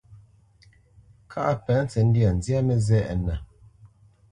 Kâʼ a penə́ tsəndyâ, nzyá mə́zɛʼnə.